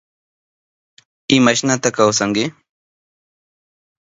¿Imashnata kawsanki?